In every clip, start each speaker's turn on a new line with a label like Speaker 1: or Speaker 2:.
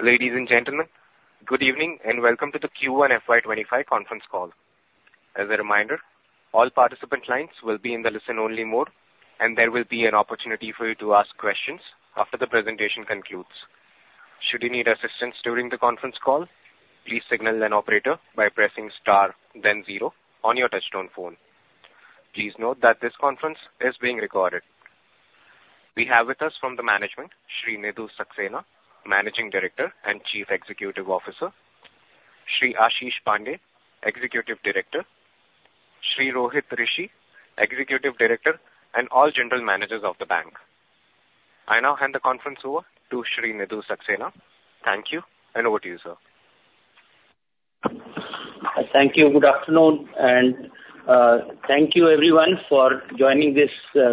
Speaker 1: Ladies and gentlemen, good evening, and welcome to the Q1 FY25 Conference Call. As a reminder, all participant lines will be in the listen-only mode, and there will be an opportunity for you to ask questions after the presentation concludes. Should you need assistance during the conference call, please signal an operator by pressing star then zero on your touchtone phone. Please note that this conference is being recorded. We have with us from the management, Shri Nidhu Saxena, Managing Director and Chief Executive Officer, Shri Asheesh Pandey, Executive Director, Shri Rohit Rishi, Executive Director, and all General Managers of the bank. I now hand the conference over to Shri Nidhu Saxena. Thank you, and over to you, sir.
Speaker 2: Thank you. Good afternoon, and thank you everyone for joining this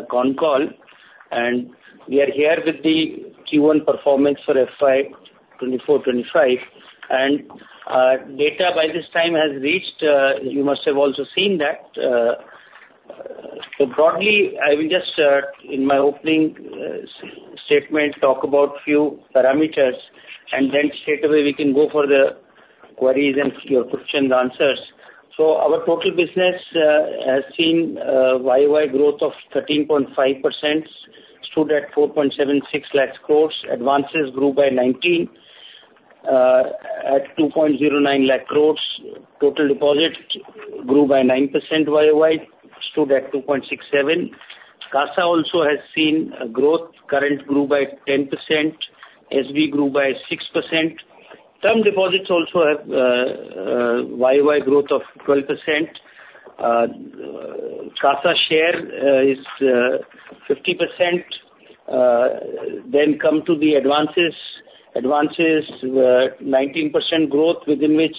Speaker 2: con call. And we are here with the Q1 performance for FY '24, '25, and data by this time has reached, you must have also seen that. So broadly, I will just in my opening statement talk about few parameters, and then straightaway we can go for the queries and your questions and answers. So our total business has seen YoY growth of 13.5%, stood at 4.76 lakh crore. Advances grew by 19 at 2.09 lakh crore. Total deposits grew by 9% YoY, stood at 2.67. CASA also has seen a growth. Current grew by 10%, SD grew by 6%. Term deposits also have YoY growth of 12%. CASA share is 50%. Then come to the advances. Advances 19% growth, within which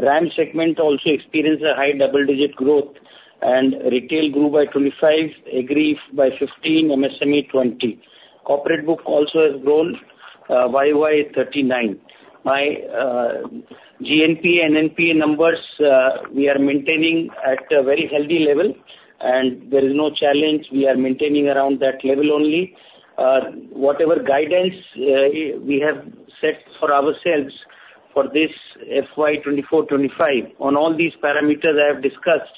Speaker 2: RAM segment also experienced a high double-digit growth, and retail grew by 25, Agri by 15, MSME, 20. Corporate book also has grown YoY 39. My GNPA, NNPA numbers we are maintaining at a very healthy level, and there is no challenge. We are maintaining around that level only. Whatever guidance we have set for ourselves for this FY '24 '25, on all these parameters I have discussed.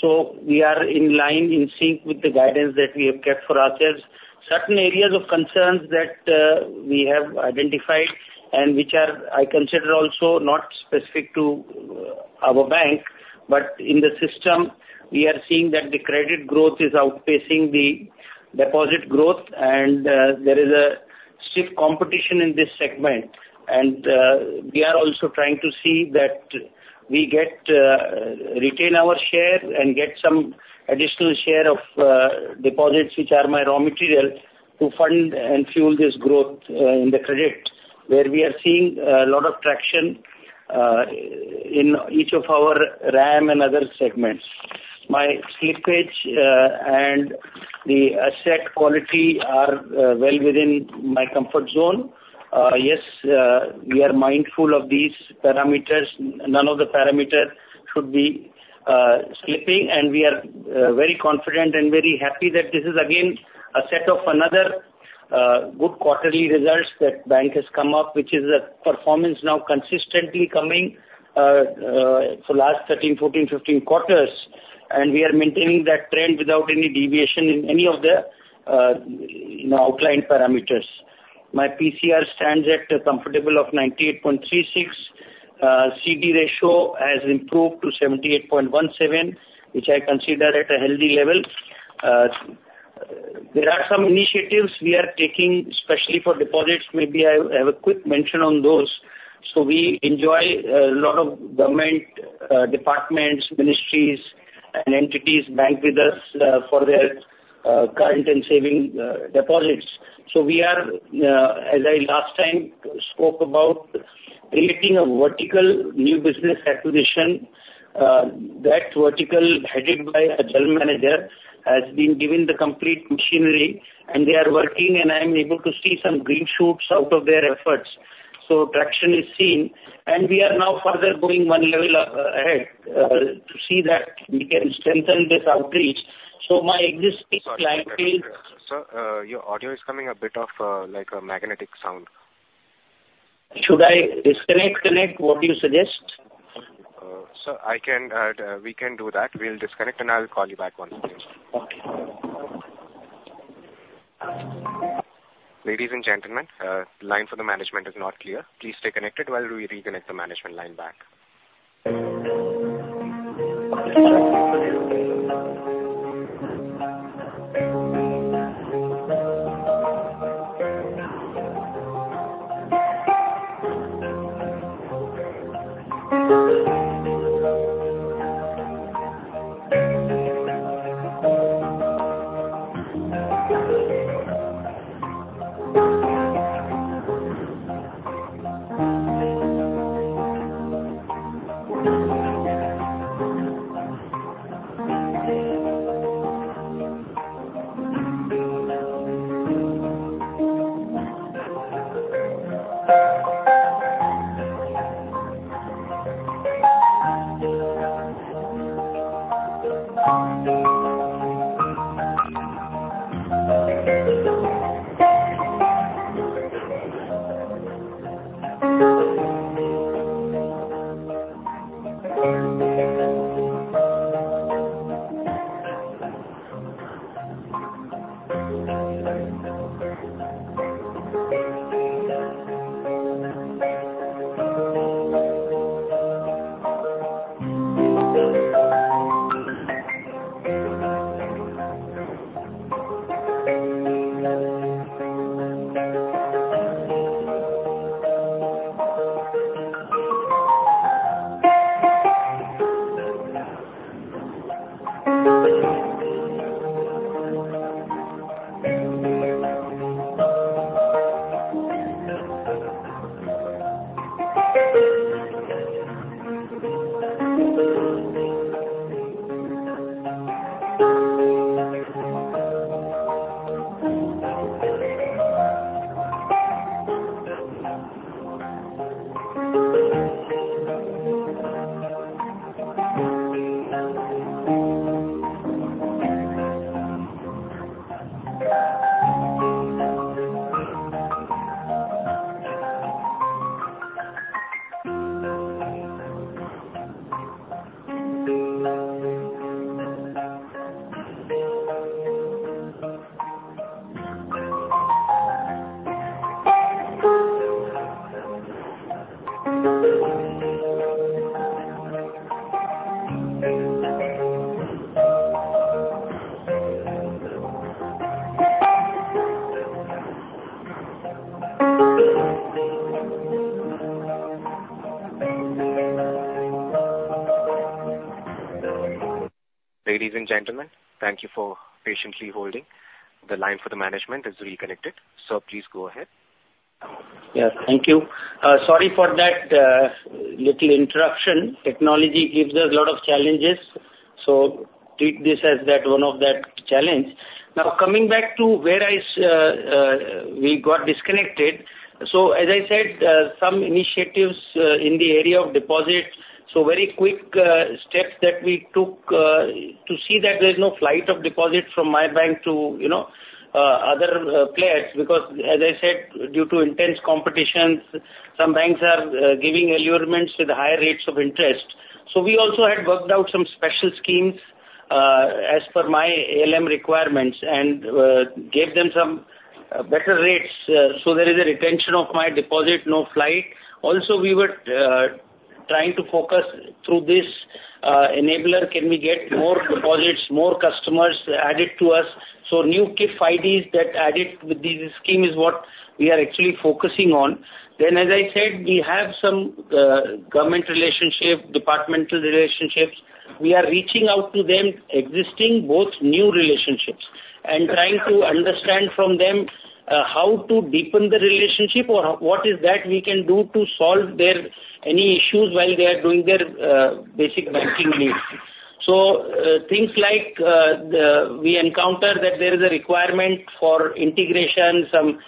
Speaker 2: So we are in line, in sync with the guidance that we have kept for ourselves. Certain areas of concerns that we have identified and which are, I consider also not specific to our bank, but in the system, we are seeing that the credit growth is outpacing the deposit growth, and there is a stiff competition in this segment. And we are also trying to see that we get retain our share and get some additional share of deposits, which are my raw material, to fund and fuel this growth in the credit, where we are seeing a lot of traction in each of our RAM and other segments. My slippage and the asset quality are well within my comfort zone. Yes, we are mindful of these parameters. None of the parameters should be slipping, and we are very confident and very happy that this is again a set of another good quarterly results that bank has come up, which is a performance now consistently coming for last 13, 14, 15 quarters, and we are maintaining that trend without any deviation in any of the, you know, outlined parameters. My PCR stands at a comfortable 98.36. CD ratio has improved to 78.17, which I consider at a healthy level. There are some initiatives we are taking, especially for deposits. Maybe I have a quick mention on those. So we enjoy a lot of government departments, ministries and entities bank with us for their current and saving deposits. So we are, as I last time spoke about creating a vertical new business acquisition, that vertical, headed by a general manager, has been given the complete machinery, and they are working, and I am able to see some green shoots out of their efforts. So traction is seen, and we are now further going one level, ahead, to see that we can strengthen this outreach. So my existing client is-
Speaker 1: Sir, your audio is coming a bit off, like a magnetic sound.
Speaker 2: Should I disconnect, connect? What do you suggest?
Speaker 1: Sir, I can, we can do that. We'll disconnect, and I'll call you back once again.
Speaker 2: Okay.
Speaker 1: Ladies and gentlemen, the line for the management is not clear. Please stay connected while we reconnect the management line back.... Ladies and gentlemen, thank you for patiently holding. The line for the management is reconnected, so please go ahead.
Speaker 2: Yeah. Thank you. Sorry for that little interruption. Technology gives us a lot of challenges, so treat this as that, one of that challenge. Now, coming back to where we got disconnected. So as I said, some initiatives in the area of deposits. So very quick steps that we took to see that there is no flight of deposit from my bank to, you know, other players, because as I said, due to intense competitions, some banks are giving allurements with higher rates of interest. So we also had worked out some special schemes as per my ALM requirements and gave them some better rates, so there is a retention of my deposit, no flight. Also, we were trying to focus through this enabler, can we get more deposits, more customers added to us? So new CIF IDs that added with this scheme is what we are actually focusing on. Then, as I said, we have some government relationship, departmental relationships. We are reaching out to them, existing, both new relationships, and trying to understand from them, how to deepen the relationship or what is that we can do to solve their, any issues while they are doing their, basic banking needs. So, things like... We encounter that there is a requirement for integration. Some,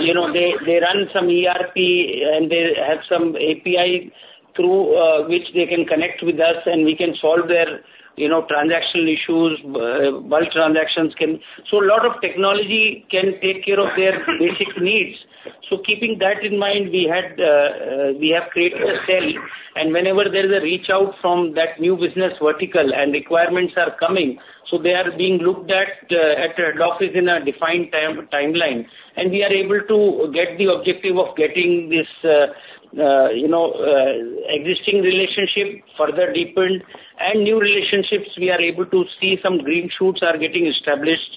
Speaker 2: you know, they, they run some ERP and they have some APIs through, which they can connect with us, and we can solve their, you know, transactional issues, while transactions can... So a lot of technology can take care of their basic needs. Keeping that in mind, we have created a cell, and whenever there is a reach out from that new business vertical and requirements are coming, so they are being looked at at office in a defined timeline, and we are able to get the objective of getting this, you know, existing relationship further deepened and new relationships, we are able to see some green shoots are getting established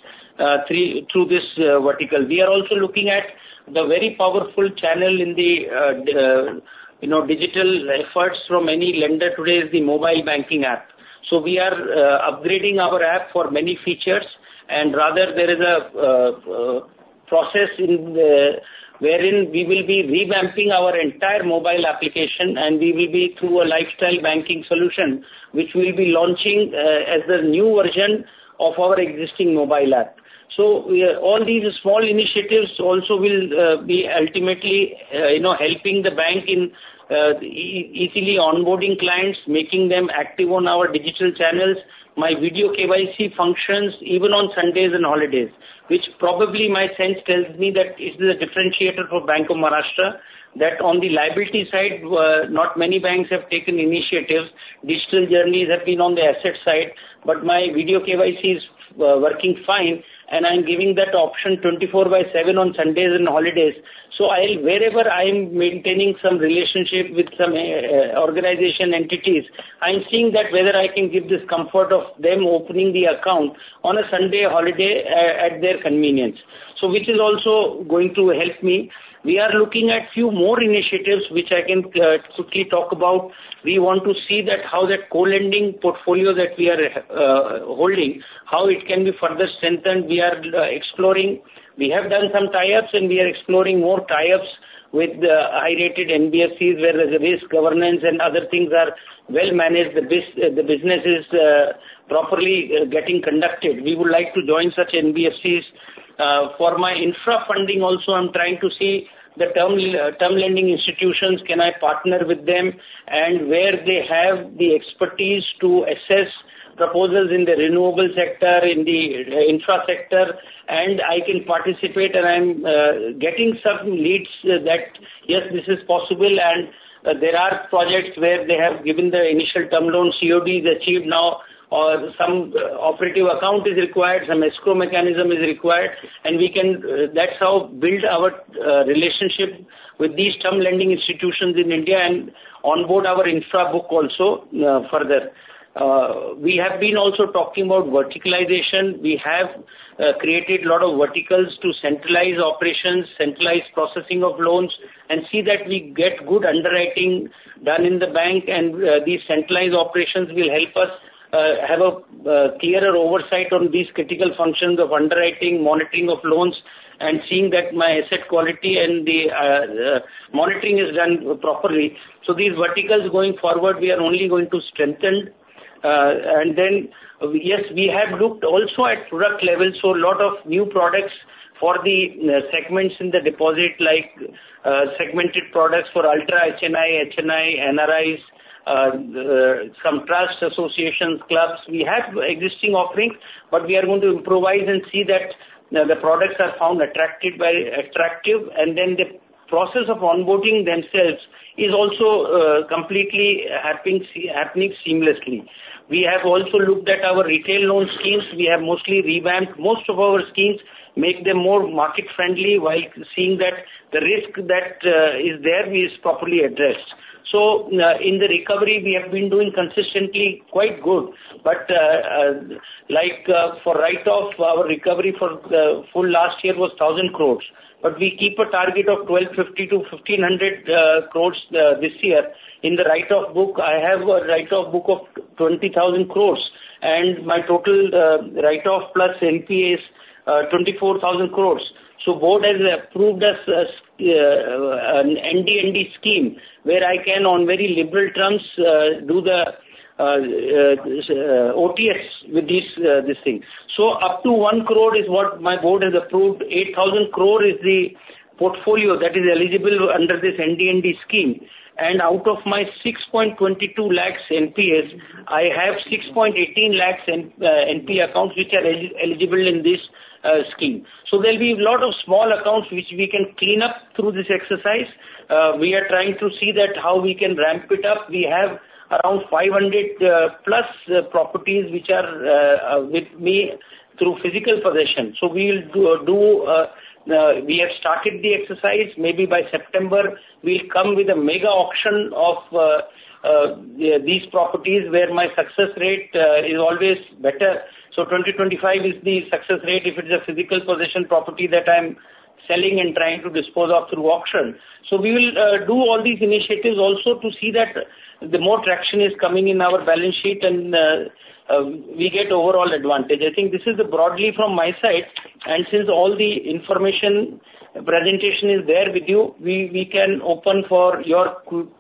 Speaker 2: through this vertical. We are also looking at the very powerful channel in the, you know, digital efforts from any lender today is the mobile banking app. So we are upgrading our app for many features, and rather there is a process wherein we will be revamping our entire mobile application, and we will be through a lifestyle banking solution, which we'll be launching as a new version of our existing mobile app. So we are, all these small initiatives also will be ultimately you know helping the bank in easily onboarding clients, making them active on our digital channels. My video KYC functions even on Sundays and holidays, which probably my sense tells me that it's a differentiator for Bank of Maharashtra, that on the liability side not many banks have taken initiatives. Digital journeys have been on the asset side, but my video KYC is working fine, and I'm giving that option 24/7 on Sundays and holidays. So I'll, wherever I'm maintaining some relationship with some organization entities, I'm seeing that whether I can give this comfort of them opening the account on a Sunday holiday at their convenience, so which is also going to help me. We are looking at few more initiatives, which I can quickly talk about. We want to see that how that co-lending portfolio that we are holding, how it can be further strengthened. We are exploring. We have done some tie-ups, and we are exploring more tie-ups with the high-rated NBFCs, where the risk, governance and other things are well managed. The business is properly getting conducted. We would like to join such NBFCs. For my infra funding also, I'm trying to see the term term lending institutions, can I partner with them? And where they have the expertise to assess proposals in the renewable sector, in the infra sector, and I can participate, and I'm getting some leads that, yes, this is possible, and there are projects where they have given the initial term loan, CODs achieved now, or some operative account is required, some escrow mechanism is required, and we can, that's how build our relationship with these term lending institutions in India and onboard our infra book also, further. We have been also talking about verticalization. We have created a lot of verticals to centralize operations, centralize processing of loans, and see that we get good underwriting done in the bank, and these centralized operations will help us have a clearer oversight on these critical functions of underwriting, monitoring of loans, and seeing that my asset quality and the monitoring is done properly. So these verticals going forward, we are only going to strengthen. And then, yes, we have looked also at product level, so lot of new products for the segments in the deposit like segmented products for Ultra HNI, HNI, NRIs, some trust associations, clubs. We have existing offerings, but we are going to improvise and see that the products are found attractive. And then the process of onboarding themselves is also completely happening seamlessly. We have also looked at our retail loan schemes. We have mostly revamped most of our schemes, make them more market friendly while seeing that the risk that is there is properly addressed. So, in the recovery, we have been doing consistently quite good, but, like, for write-off, our recovery for full last year was 1,000 crore, but we keep a target of 1,250 crore-1,500 crore this year. In the write-off book, I have a write-off book of 20,000 crore, and my total write-off plus NPAs is 24,000 crore. So board has approved us an NDND scheme, where I can on very liberal terms do the OTS with these this thing. So up to 1 crore is what my board has approved. 8,000 crore is the portfolio that is eligible under this NDND scheme, and out of my 6.22 lakh NPAs, I have 6.18 lakh in NPA accounts, which are eligible in this scheme. So there'll be a lot of small accounts which we can clean up through this exercise. We are trying to see that how we can ramp it up. We have around 500-plus properties which are with me through physical possession. So we will do, we have started the exercise. Maybe by September, we'll come with a mega auction of these properties, where my success rate is always better. So 2025 is the success rate if it is a physical possession property that I'm selling and trying to dispose of through auction. So we will do all these initiatives also to see that the more traction is coming in our balance sheet and we get overall advantage. I think this is broadly from my side, and since all the information presentation is there with you, we can open for your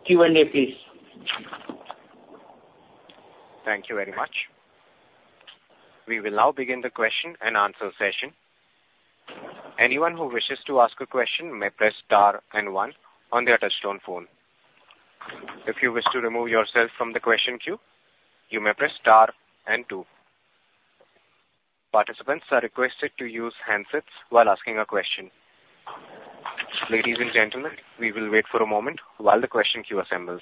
Speaker 2: Q&A, please.
Speaker 1: Thank you very much. We will now begin the question and answer session. Anyone who wishes to ask a question may press star and one on their touchtone phone. If you wish to remove yourself from the question queue, you may press star and two. Participants are requested to use handsets while asking a question. Ladies and gentlemen, we will wait for a moment while the question queue assembles.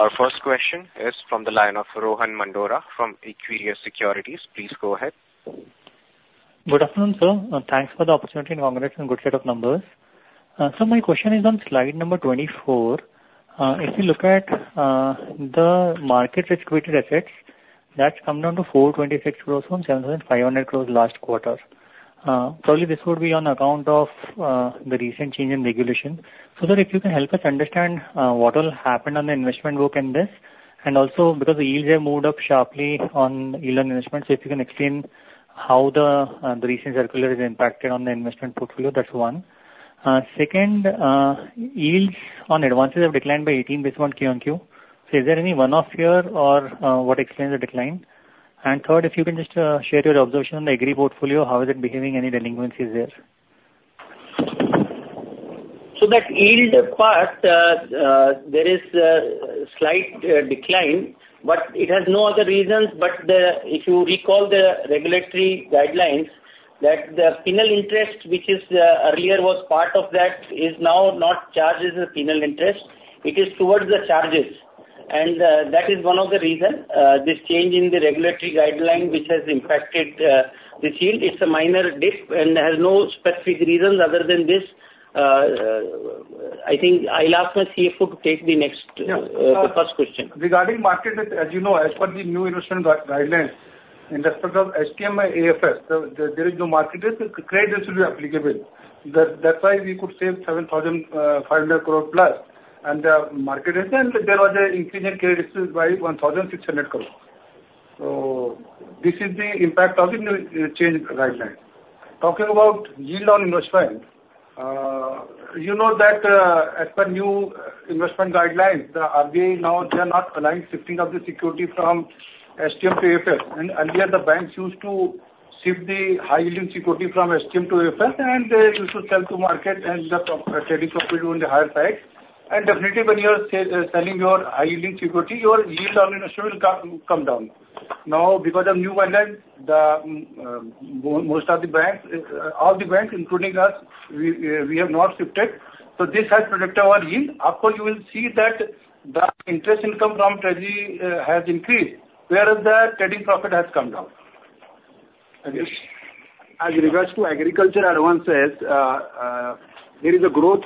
Speaker 1: Our first question is from the line of Rohan Mandora from Equirus Securities. Please go ahead.
Speaker 3: Good afternoon, sir. Thanks for the opportunity and congratulations on good set of numbers. So my question is on slide number 24. If you look at the market risk weighted assets, that's come down to 426 crore from 7,500 crore last quarter. Probably this would be on account of the recent change in regulation. So then if you can help us understand what will happen on the investment book in this, and also because the yields have moved up sharply on yield on investment. So if you can explain how the recent circular is impacted on the investment portfolio, that's one. Second, yields on advances have declined by 18 basis points Q-on-Q. So is there any one-off here or what explains the decline? And third, if you can just share your observation on the agri portfolio, how is it behaving? Any delinquencies there?
Speaker 2: So that yield part, there is a slight decline, but it has no other reasons. But, if you recall the regulatory guidelines, that the penal interest, which is, earlier was part of that, is now not charged as a penal interest. It is towards the charges. And, that is one of the reason, this change in the regulatory guideline, which has impacted, this yield. It's a minor dip and has no specific reasons other than this. I think I'll ask my CFO to take the next,
Speaker 4: Yeah.
Speaker 2: The first question.
Speaker 4: Regarding market risk, as you know, as per the new investment guidelines, in respect of HTM and AFS, there is no market risk. Credit risk will be applicable. That's why we could save 7,500 crore plus. And market risk, there was an increase in credit risk by 1,600 crores. So this is the impact of the new change guideline. Talking about yield on investment,... You know that, as per new investment guidelines, the RBI now, they are not allowing shifting of the security from HTM to AFS. Earlier, the banks used to shift the high-yielding security from HTM to AFS, and they used to sell to market and the trading portfolio on the higher side. Definitely, when you are selling your high-yielding security, your yield on an issue will come down. Now, because of new guidelines, most of the banks, all the banks, including us, we have not shifted. So this has protected our yield. Of course, you will see that the interest income from treasury has increased, whereas the trading profit has come down.
Speaker 2: As regards to agriculture, everyone says, there is a growth,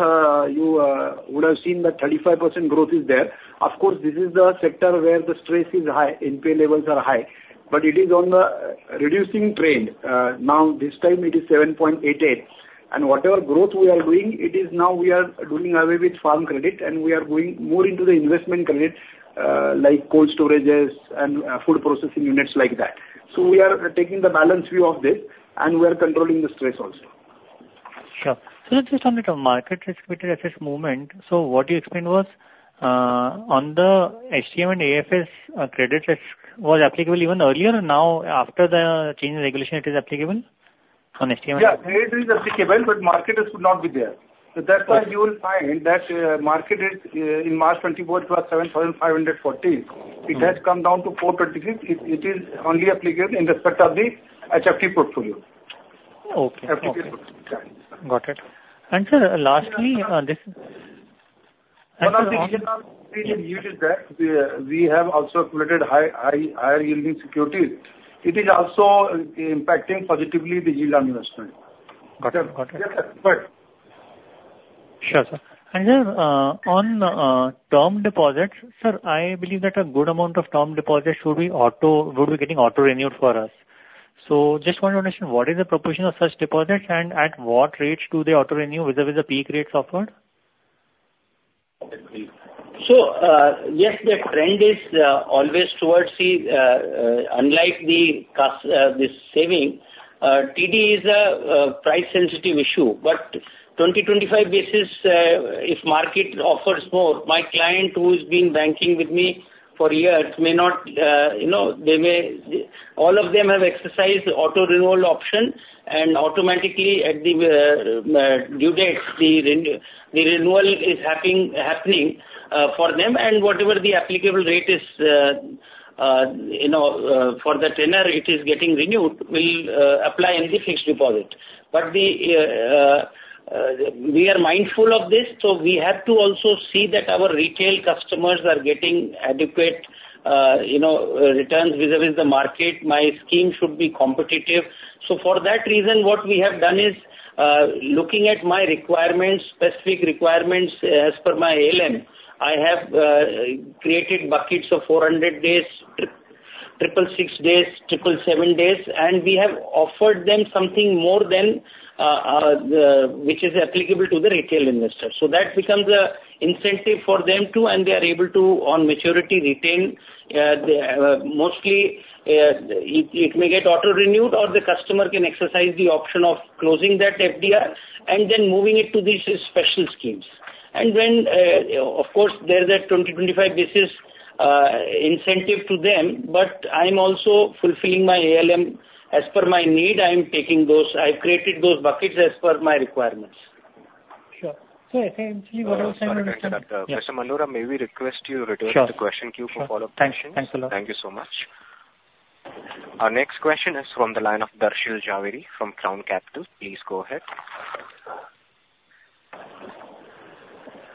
Speaker 2: you would have seen that 35% growth is there. Of course, this is the sector where the stress is high, NPL levels are high, but it is on the reducing trend. Now this time it is 7.88, and whatever growth we are doing, it is now we are doing away with farm credit, and we are going more into the investment credit, like cold storages and, food processing units like that. So we are taking the balanced view of this, and we are controlling the stress also.
Speaker 3: Sure. So just on the market risk weighted assets movement, so what you explained was, on the HTM and AFS, credit risk was applicable even earlier, and now after the change in regulation, it is applicable on HTM?
Speaker 4: Yeah, it is applicable, but market risk would not be there. So that's why you will find that, market risk, in March 2024 was 7,540. It has come down to 426 crore. It is only applicable in respect of the HFT portfolio.
Speaker 3: Okay.
Speaker 4: HFT portfolio.
Speaker 3: Got it. And, sir, lastly, this-
Speaker 4: Yield is there, we have also created higher-yielding securities. It is also impacting positively the yield on investment.
Speaker 3: Got it. Got it.
Speaker 4: Yes, sir. Go ahead.
Speaker 3: Sure, on term deposits, sir, I believe that a good amount of term deposits should be auto, would be getting auto-renewed for us. So just want to understand, what is the proportion of such deposits and at what rates do they auto-renew vis-a-vis the peak rates offered?
Speaker 2: So, yes, the trend is always towards the, unlike the cost, the saving, TD is a price sensitive issue. But 20, 25 basis, if market offers more, my client who has been banking with me for years may not, you know, they may... All of them have exercised the auto-renewal option, and automatically at the due dates, the renewal is happening for them, and whatever the applicable rate is, you know, for the tenure it is getting renewed, will apply in the fixed deposit. But we, we are mindful of this, so we have to also see that our retail customers are getting adequate, you know, returns vis-a-vis the market. My scheme should be competitive. So for that reason, what we have done is, looking at my requirements, specific requirements as per my ALM, I have created buckets of 400 days, 666 days, 777 days, and we have offered them something more than the which is applicable to the retail investor. So that becomes a incentive for them, too, and they are able to, on maturity, retain the mostly it, it may get auto-renewed, or the customer can exercise the option of closing that FDR and then moving it to these special schemes. And when, of course, there's that 20, 25 basis incentive to them, but I'm also fulfilling my ALM. As per my need, I am taking those... I've created those buckets as per my requirements.
Speaker 3: Sure. So essentially what I was saying-
Speaker 1: Sorry to interrupt. Mr. Mandora, may we request you return to the question queue for follow-up questions?
Speaker 3: Sure. Thanks. Thanks a lot.
Speaker 1: Thank you so much. Our next question is from the line of Darshil Jhaveri from Crown Capital. Please go ahead.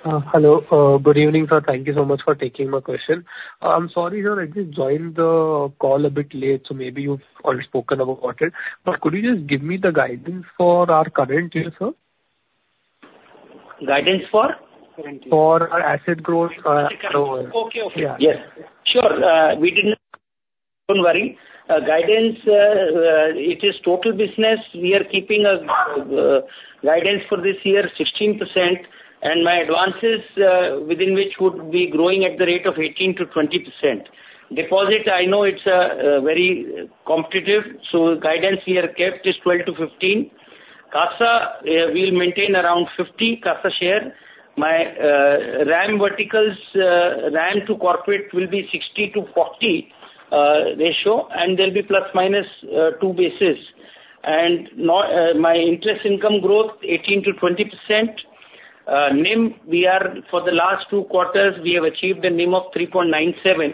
Speaker 5: Hello. Good evening, sir. Thank you so much for taking my question. I'm sorry, sir, I just joined the call a bit late, so maybe you've already spoken about it, but could you just give me the guidance for our current year, sir?
Speaker 2: Guidance for?
Speaker 5: For our asset growth, forward.
Speaker 2: Okay, okay.
Speaker 5: Yeah.
Speaker 2: Yes. Sure, we didn't, don't worry. Guidance, it is total business. We are keeping a guidance for this year 16%, and my advances, within which would be growing at the rate of 18%-20%. Deposit, I know it's very competitive, so guidance we have kept is 12-15. CASA, we maintain around 50% CASA share. My RAM verticals, RAM to corporate will be 60-40 ratio, and there'll be ±2 basis. My interest income growth, 18%-20%. NIM, for the last two quarters, we have achieved a NIM of 3.97,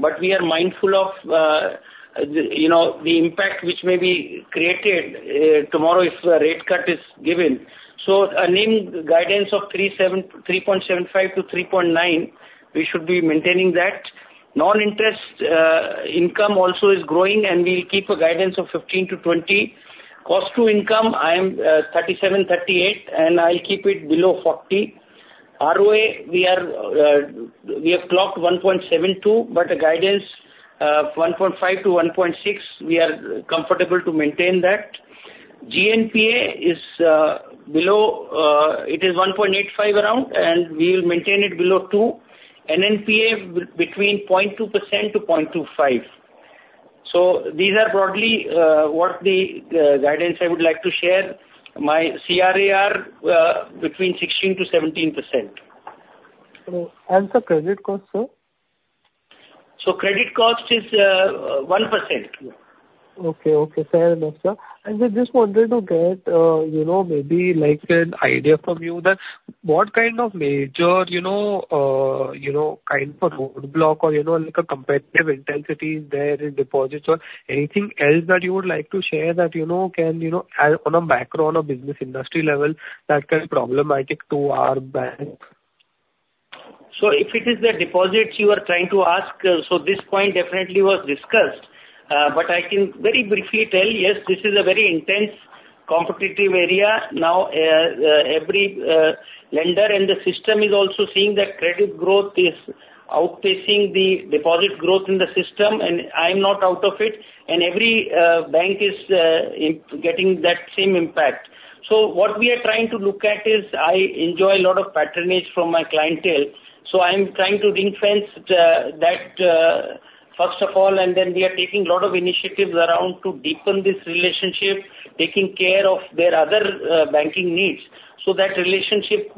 Speaker 2: but we are mindful of, the, you know, the impact which may be created, tomorrow if a rate cut is given. So a NIM guidance of 3.7, 3.75-3.9, we should be maintaining that. Non-interest income also is growing, and we keep a guidance of 15-20. Cost to income, I am 37-38, and I'll keep it below 40. ROA, we are, we have clocked 1.72, but the guidance of 1.5-1.6, we are comfortable to maintain that. GNPA is below, it is 1.85% around, and we will maintain it below 2. NNPA between 0.2%-0.25%.... So these are broadly what the guidance I would like to share. My CRAR between 16%-17%.
Speaker 5: The credit cost, sir?
Speaker 2: Credit cost is 1%.
Speaker 5: Okay. Okay, fair enough, sir. I just wanted to get, you know, maybe like an idea from you that what kind of major, you know, you know, kind of roadblock or, you know, like a competitive intensity is there in deposits or anything else that you would like to share that, you know, can, you know, as on a macro on a business industry level, that can be problematic to our bank?
Speaker 2: So if it is the deposits you are trying to ask, so this point definitely was discussed, but I can very briefly tell, yes, this is a very intense competitive area. Now, every lender in the system is also seeing that credit growth is outpacing the deposit growth in the system, and I'm not out of it, and every bank is getting that same impact. So what we are trying to look at is I enjoy a lot of patronage from my clientele, so I am trying to reinforce that, first of all, and then we are taking a lot of initiatives around to deepen this relationship, taking care of their other banking needs. So that relationship,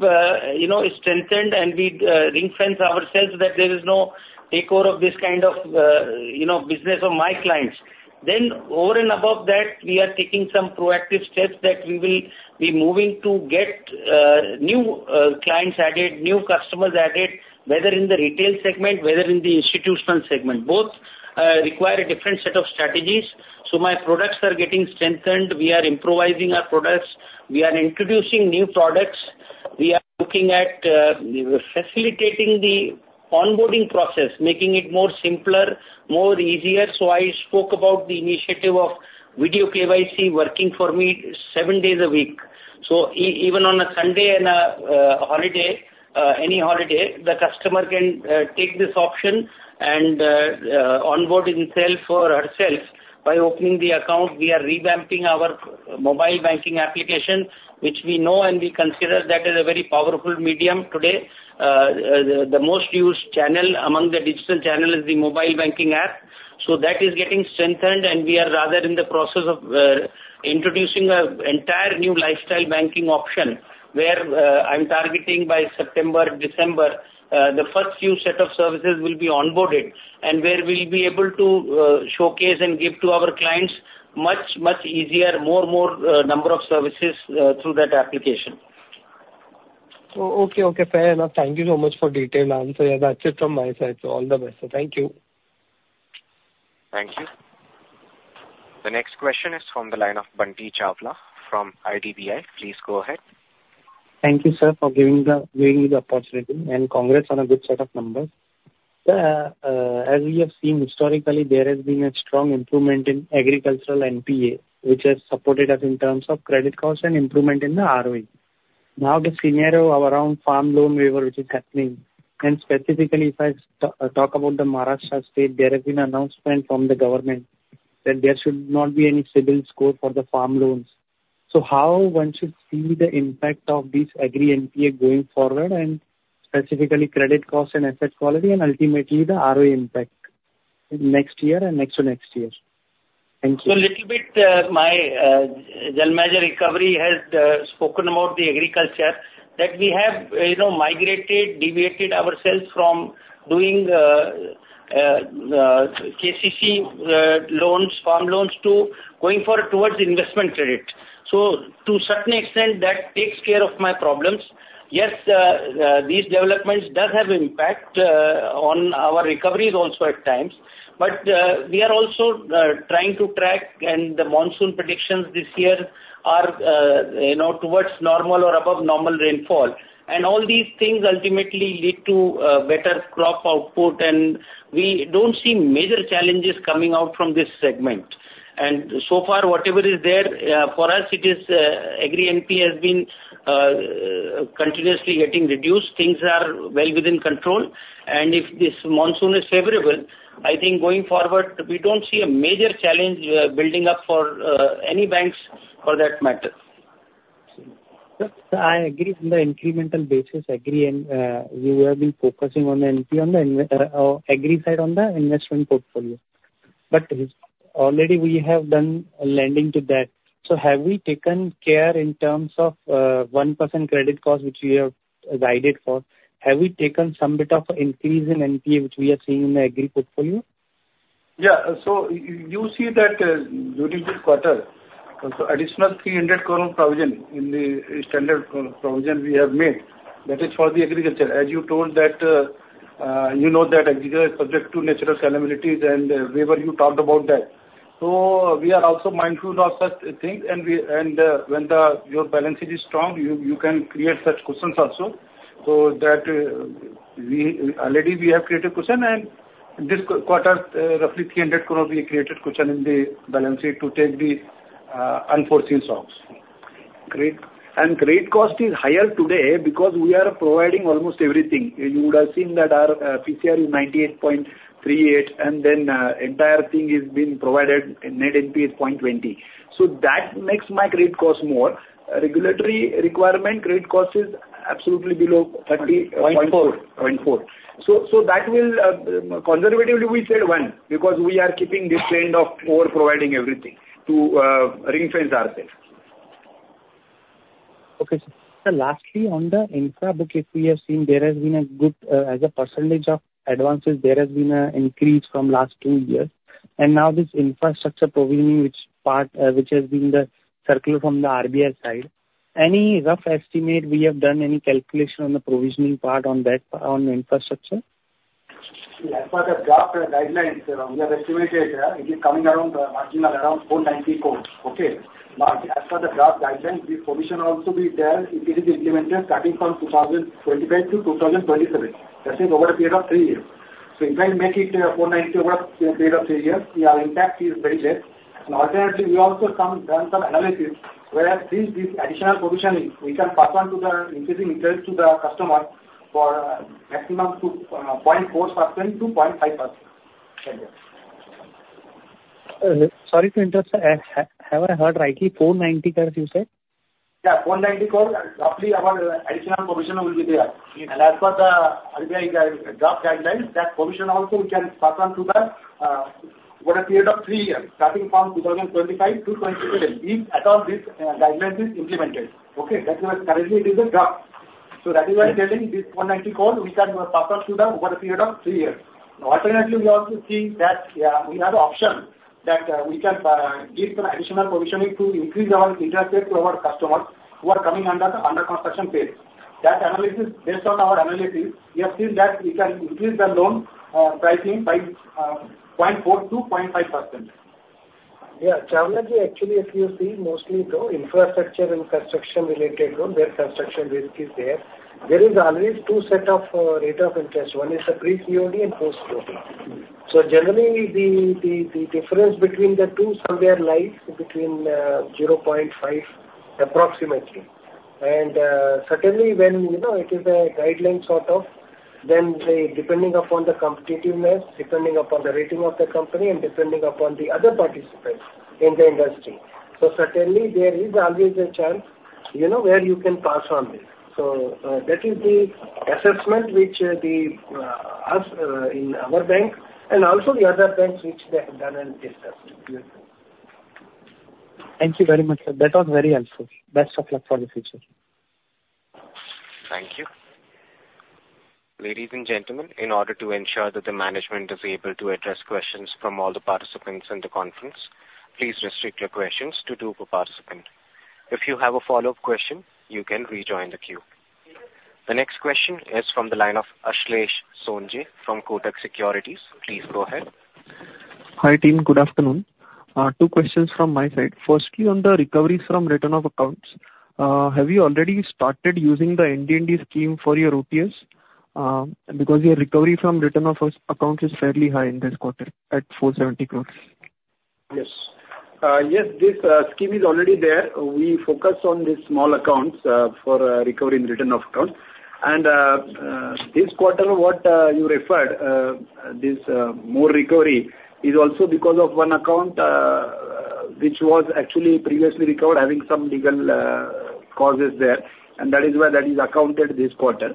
Speaker 2: you know, is strengthened and we reinforce ourselves that there is no takeover of this kind of, you know, business of my clients. Then over and above that, we are taking some proactive steps that we will be moving to get new clients added, new customers added, whether in the retail segment, whether in the institutional segment. Both require a different set of strategies. So my products are getting strengthened. We are improvising our products. We are introducing new products. We are looking at facilitating the onboarding process, making it more simpler, more easier. So I spoke about the initiative of video KYC working for me seven days a week. So even on a Sunday and a holiday, any holiday, the customer can take this option and onboard himself or herself by opening the account. We are revamping our mobile banking application, which we know and we consider that is a very powerful medium today. The most used channel among the digital channel is the mobile banking app. So that is getting strengthened, and we are rather in the process of introducing an entire new lifestyle banking option, where I'm targeting by September, December, the first few set of services will be onboarded, and where we'll be able to showcase and give to our clients much, much easier, more, more number of services through that application.
Speaker 5: So, okay, okay, fair enough. Thank you so much for detailed answer. Yeah, that's it from my side. All the best. Thank you.
Speaker 1: Thank you. The next question is from the line of Bunty Chawla from IDBI. Please go ahead.
Speaker 6: Thank you, sir, for giving me the opportunity, and congrats on a good set of numbers. Sir, as we have seen historically, there has been a strong improvement in agricultural NPA, which has supported us in terms of credit cost and improvement in the ROE. Now, the scenario around farm loan waiver, which is cutting, and specifically, if I talk about the Maharashtra state, there has been announcement from the government that there should not be any CIBIL score for the farm loans. So how one should see the impact of this agri NPA going forward, and specifically credit cost and asset quality and ultimately the ROE impact next year and next to next year? Thank you.
Speaker 2: So a little bit, my general manager recovery has spoken about the agriculture, that we have, you know, migrated, deviated ourselves from doing KCC loans, farm loans to going for towards investment credit. So to certain extent, that takes care of my problems. Yes, these developments does have impact on our recoveries also at times. But we are also trying to track and the monsoon predictions this year are, you know, towards normal or above normal rainfall. And all these things ultimately lead to better crop output, and we don't see major challenges coming out from this segment. And so far, whatever is there for us, it is agri NPA has been continuously getting reduced. Things are well within control, and if this monsoon is favorable, I think going forward, we don't see a major challenge, building up for, any banks for that matter.
Speaker 6: Sir, I agree from the incremental basis, agree, and we have been focusing on the NPA on the investment agri side, on the investment portfolio. Already we have done a lending to that. Have we taken care in terms of 1% credit cost, which we have guided for? Have we taken some bit of increase in NPA, which we are seeing in the agri portfolio?
Speaker 4: Yeah. So you see that, during this quarter, so additional 300 crore provision in the standard provision we have made, that is for the agriculture. As you told that, you know that agriculture is subject to natural calamities and waiver, you talked about that. So we are also mindful of such things, and when your balance sheet is strong, you can create such provisions also. So that, we already have created provision, and this quarter, roughly 300 crore, we created provision in the balance sheet to take the unforeseen shocks.
Speaker 6: Great.
Speaker 2: Great cost is higher today because we are providing almost everything. You would have seen that our PCR is 98.38, and then entire thing is being provided, net NPA is 0.20. So that makes my rate cost more. Regulatory requirement, rate cost is absolutely below 30- Point four. 0.4. So that will, conservatively, we said one, because we are keeping this trend of overproviding everything to reinforce ourselves....
Speaker 6: Okay, sir. Lastly, on the infra book, if we have seen, there has been a good, as a percentage of advances, there has been an increase from last two years. And now this infrastructure provisioning, which part, which has been the circular from the RBI side, any rough estimate we have done, any calculation on the provisioning part on that, on infrastructure?
Speaker 7: As per the draft guidelines, sir, we have estimated, it is coming around, marginal, around 490 crore, okay? But as per the draft guidelines, the provision also be there if it is implemented starting from 2025 to 2027. That's over a period of three years. So if I make it, 490 crore over a period of three years, our impact is very less. And alternatively, we also come, done some analysis, whereas since this additional provisioning, we can pass on to the increasing interest to the customer for maximum to 0.4%-0.5%.
Speaker 6: Sorry to interrupt, sir. Have I heard rightly, 490 crore you said?
Speaker 7: Yeah, 490 crore, and roughly our additional provision will be there. As per the RBI draft guidelines, that provision also we can pass on to the over a period of three years, starting from 2025 to 2027, if at all this guideline is implemented, okay? That is why currently it is a draft. That is why I'm telling this 490 crore, we can pass on to the over a period of three years. Alternatively, we also see that, yeah, we have the option that we can give some additional provisioning to increase our interest rate to our customers who are coming under the under construction phase. That analysis, based on our analysis, we have seen that we can increase the loan pricing by 0.4%-0.5%.
Speaker 8: Yeah, Chawlaji, actually, if you see mostly the infrastructure and construction related loan, their construction risk is there. There is always two set of rate of interest. One is the pre-COD and post-COD. So generally, the difference between the two somewhere lies between 0.5, approximately. And certainly when you know it is a guideline sort of, then the depending upon the competitiveness, depending upon the rating of the company, and depending upon the other participants in the industry. So certainly there is always a chance, you know, where you can pass on this. So that is the assessment which us in our bank and also the other banks which they have done and discussed.
Speaker 6: Thank you very much, sir. That was very helpful. Best of luck for the future.
Speaker 1: Thank you. Ladies and gentlemen, in order to ensure that the management is able to address questions from all the participants in the conference, please restrict your questions to two per participant. If you have a follow-up question, you can rejoin the queue. The next question is from the line of Ashlesh Sonje from Kotak Securities. Please go ahead.
Speaker 9: Hi, team. Good afternoon. Two questions from my side. Firstly, on the recoveries from written-off accounts, have you already started using the NDND scheme for your OTS? Because your recovery from written-off accounts is fairly high in this quarter, at 470 crore.
Speaker 10: Yes. Yes, this scheme is already there. We focus on the small accounts for recovery and written-off accounts. And this quarter, what you referred, this more recovery is also because of one account which was actually previously recovered, having some legal causes there, and that is why that is accounted this quarter.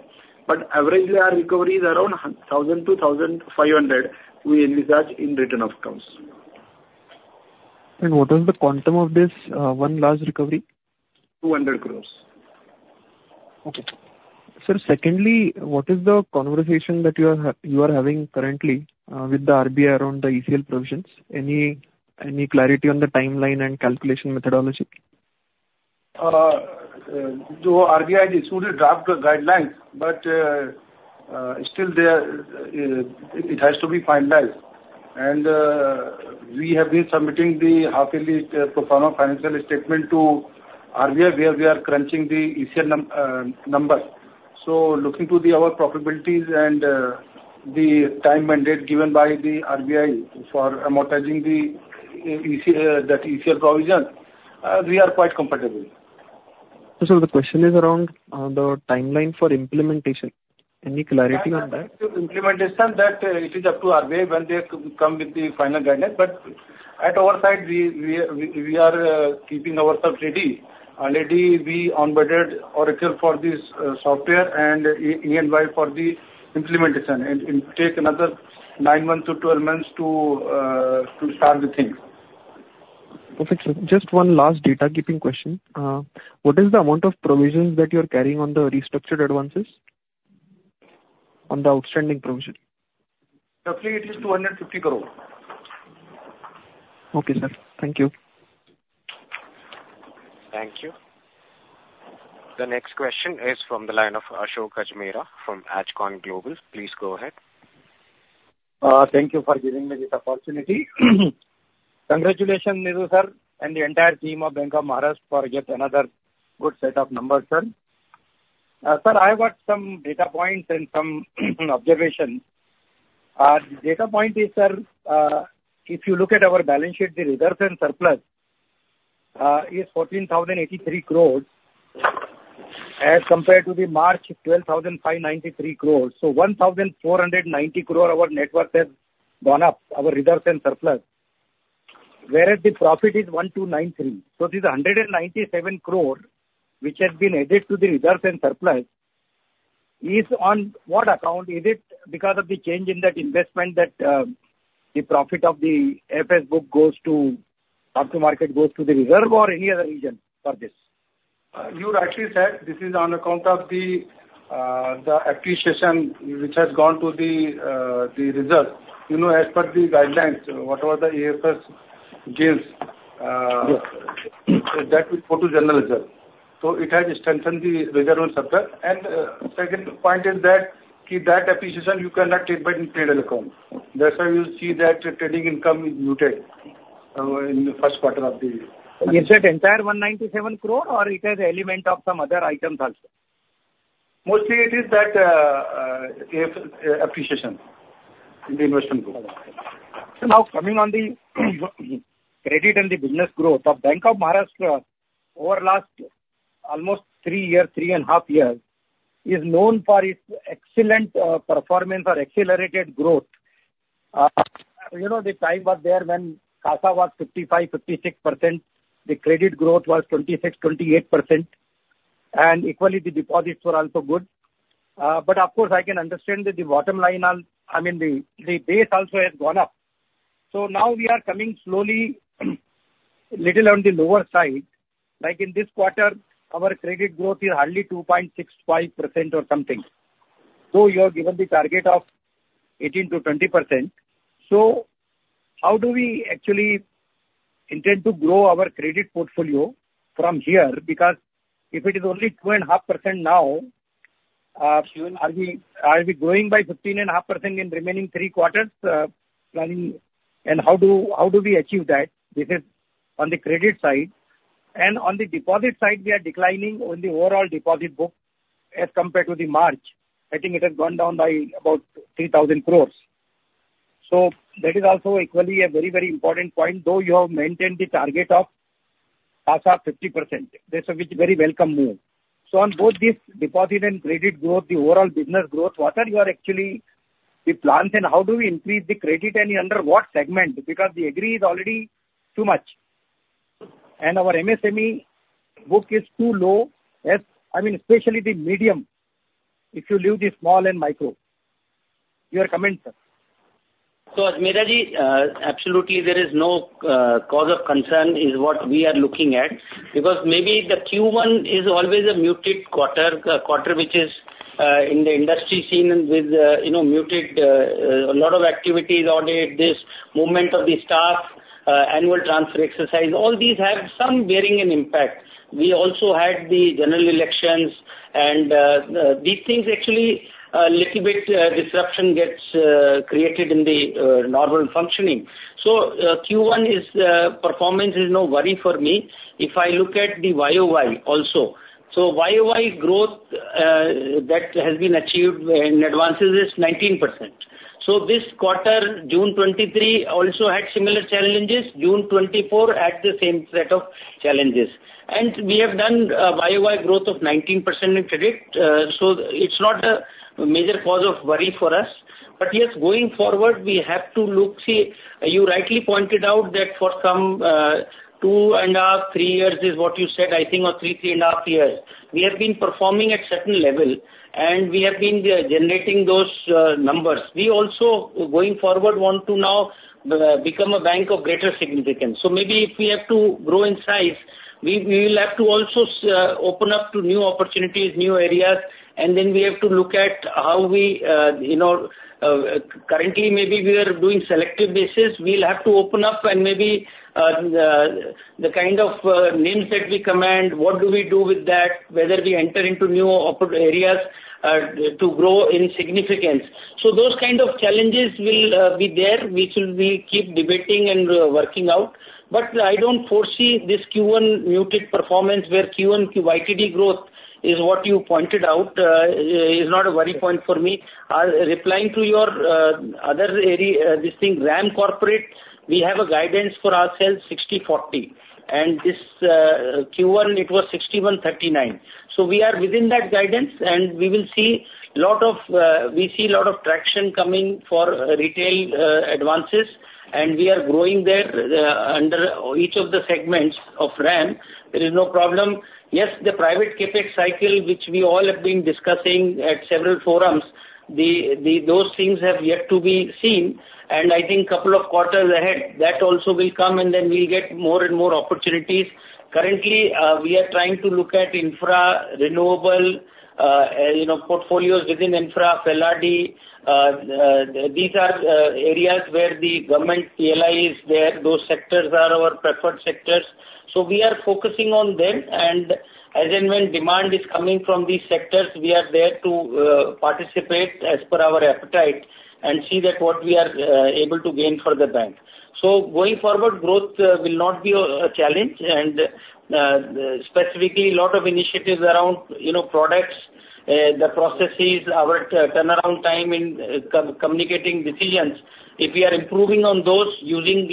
Speaker 10: But averagely, our recovery is around 1,000-1,500 we envisage in return of accounts.
Speaker 9: What was the quantum of this one large recovery?
Speaker 8: 200 crore.
Speaker 9: Okay. Sir, secondly, what is the conversation that you are having currently with the RBI around the ECL provisions? Any, any clarity on the timeline and calculation methodology?
Speaker 4: The RBI issued a draft guidelines, but still there, it has to be finalized. And we have been submitting the half-yearly pro forma financial statement to RBI, where we are crunching the ECL numbers. So looking to the our probabilities and the time mandate given by the RBI for amortizing the EC, that ECL provision, we are quite comfortable.
Speaker 9: Sir, the question is around the timeline for implementation. Any clarity on that?
Speaker 4: Implementation, that, it is up to RBI when they come with the final guidance. But at our side, we are keeping ourselves ready. Already, we onboarded Oracle for this software and E&Y for the implementation, and take another nine months to 12 months to start the thing.
Speaker 9: Perfect, sir. Just one last data keeping question. What is the amount of provisions that you are carrying on the restructured advances? On the outstanding provision.
Speaker 4: Roughly, it is 250 crore.
Speaker 9: Okay, sir. Thank you.
Speaker 1: Thank you. The next question is from the line of Ashok Ajmera from Ajcon Global. Please go ahead.
Speaker 11: Thank you for giving me this opportunity. Congratulations, Nidhu sir, and the entire team of Bank of Maharashtra for yet another good set of numbers, sir. Sir, I have got some data points and some observations. Data point is, sir, if you look at our balance sheet, the reserves and surplus is 14,083 crore, as compared to the March 12,593 crore. So 1,490 crore, our net worth has gone up, our reserves and surplus, whereas the profit is 1,293. So this is 197 crore, which has been added to the reserves and surplus.... Is it on what account? Is it because of the change in that investment that the profit of the AFS book goes to, up to market goes to the reserve or any other reason for this?
Speaker 4: You rightly said, this is on account of the appreciation which has gone to the reserve. You know, as per the guidelines, whatever the AFS gives,
Speaker 11: Yes.
Speaker 4: - that will go to general reserve. So it has strengthened the reserve on subject. And, second point is that, keep that appreciation, you cannot take back in P&L account. That's why you see that trading income is muted, in the first quarter of the year.
Speaker 11: Is that entire 197 crore, or it has element of some other items also?
Speaker 4: Mostly it is that, appreciation in the investment group.
Speaker 11: So now coming on the credit and the business growth of Bank of Maharashtra over last almost three years, 3.5 years, is known for its excellent, performance or accelerated growth. You know, the time was there when CASA was 55%-56%, the credit growth was 26%-28%, and equally the deposits were also good. But of course, I can understand that the bottom line, I, I mean, the, the base also has gone up. So now we are coming slowly, little on the lower side. Like in this quarter, our credit growth is hardly 2.65% or something. So you have given the target of 18%-20%. So how do we actually intend to grow our credit portfolio from here? Because if it is only 2.5% now, are we, are we growing by 15.5% in remaining 3 quarters, planning? And how do, how do we achieve that? This is on the credit side. And on the deposit side, we are declining on the overall deposit book as compared to the March. I think it has gone down by about 3,000 crore. So that is also equally a very, very important point, though you have maintained the target of CASA 50%. That's a very welcome move. So on both this deposit and credit growth, the overall business growth, what are your actually the plans and how do we increase the credit and under what segment? Because the agri is already too much, and our MSME book is too low as... I mean, especially the medium, if you leave the small and micro. Your comment, sir.
Speaker 2: So, Ajmeraji, absolutely there is no cause of concern is what we are looking at. Because maybe the Q1 is always a muted quarter, quarter, which is, in the industry seen with, you know, muted, a lot of activities on it, this movement of the staff, annual transfer exercise, all these have some bearing and impact. We also had the general elections and, these things actually, little bit, disruption gets, created in the, normal functioning. So, Q1 is, performance is no worry for me. If I look at the YoY also, so YoY growth, that has been achieved in advances is 19%. So this quarter, June 2023, also had similar challenges, June 2024 had the same set of challenges. We have done a YoY growth of 19% in credit, so it's not a major cause of worry for us. But yes, going forward, we have to look. See, you rightly pointed out that for some, 2.5, three years is what you said, I think, or three, 3.5 years, we have been performing at certain level, and we have been generating those numbers. We also, going forward, want to now become a bank of greater significance. So maybe if we have to grow in size, we, we will have to also open up to new opportunities, new areas, and then we have to look at how we, you know, currently, maybe we are doing selective basis. We'll have to open up and maybe the kind of NIMs that we command, what do we do with that? Whether we enter into new areas to grow in significance. So those kind of challenges will be there, which will be keep debating and working out. But I don't foresee this Q1 muted performance, where Q-on-Q YTD growth is what you pointed out is not a worry point for me. Replying to your other area, this thing, RAM Corporate, we have a guidance for ourselves, 60/40, and this Q1, it was 61/39. So we are within that guidance, and we will see lot of, we see lot of traction coming for retail advances, and we are growing there under each of the segments of RAM. There is no problem. Yes, the private CapEx cycle, which we all have been discussing at several forums, those things have yet to be seen, and I think couple of quarters ahead, that also will come and then we'll get more and more opportunities. Currently, we are trying to look at infra, renewable, you know, portfolios within Infra, LRD. These are areas where the government PLI is there. Those sectors are our preferred sectors. So we are focusing on them, and as and when demand is coming from these sectors, we are there to participate as per our appetite and see that what we are able to gain for the bank. So going forward, growth will not be a challenge, and specifically, a lot of initiatives around, you know, products, the processes, our turnaround time in communicating decisions. If we are improving on those, using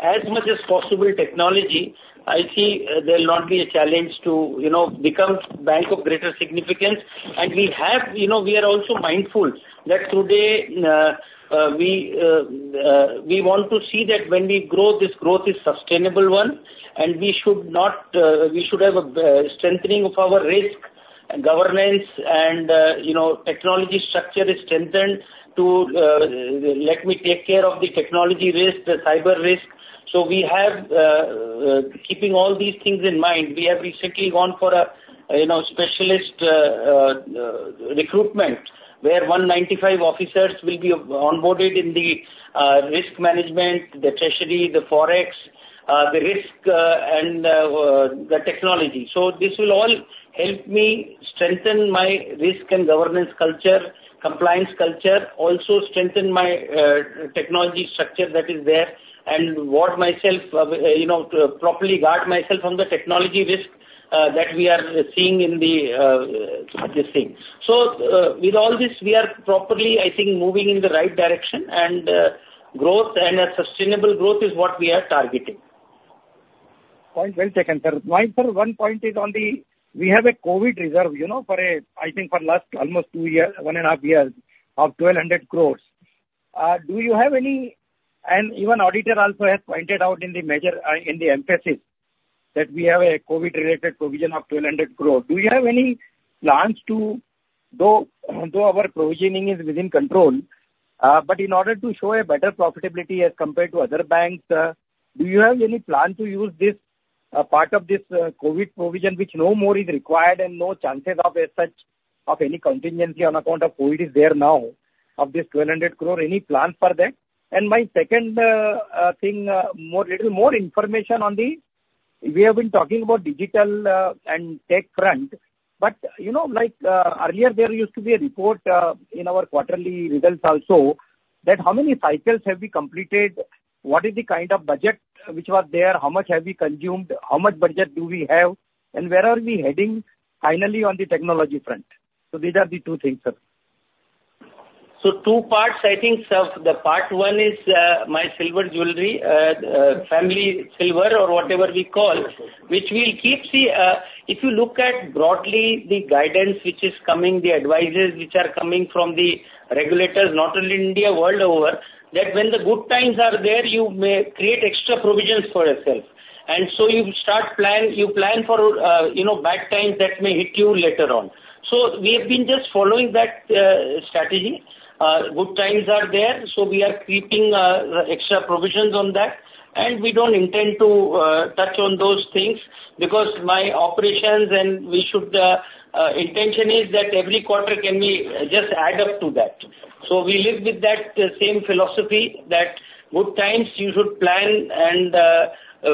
Speaker 2: as much as possible technology, I see there will not be a challenge to, you know, become bank of greater significance. And we have, you know, we are also mindful that today, we want to see that when we grow, this growth is sustainable one. And we should not, we should have a strengthening of our risk and governance and, you know, technology structure is strengthened to let me take care of the technology risk, the cyber risk. So we have, keeping all these things in mind, we have recently gone for a, you know, specialist recruitment, where 195 officers will be onboarded in the risk management, the Treasury, the Forex, the risk, and the technology. So this will all help me strengthen my risk and governance culture, compliance culture, also strengthen my, technology structure that is there, and ward myself, you know, to properly guard myself from the technology risk, that we are seeing in the, this thing. So, with all this, we are properly, I think, moving in the right direction, and, growth and a sustainable growth is what we are targeting.
Speaker 11: Point well taken, sir. My, sir, one point is on the, we have a COVID reserve, you know, for a, I think for last almost two years, one and a half years, of 1,200 crore. Do you have any, and even auditor also has pointed out in the measure, in the emphasis, that we have a COVID-related provision of 1,200 crore. Do you have any plans to, though our provisioning is within control, but in order to show a better profitability as compared to other banks, do you have any plan to use this, part of this, COVID provision, which no more is required and no chances of as such, of any contingency on account of COVID is there now, of this 1,200 crore, any plans for that? My second thing, little more information on the... We have been talking about digital and tech front, but, you know, like, earlier there used to be a report in our quarterly results also, that how many cycles have we completed? What is the kind of budget which was there? How much have we consumed? How much budget do we have, and where are we heading finally on the technology front? So these are the two things, sir.
Speaker 2: So two parts, I think, sir. The part one is, my silver jewelry, family silver or whatever we call, which we'll keep the... If you look at broadly the guidance which is coming, the advices which are coming from the regulators, not only India, world over, that when the good times are there, you may create extra provisions for yourself. And so you start plan, you plan for, you know, bad times that may hit you later on. So we have been just following that, strategy. Good times are there, so we are keeping, extra provisions on that, and we don't intend to, touch on those things because my operations and we should, intention is that every quarter can we just add up to that. So we live with that same philosophy, that good times you should plan and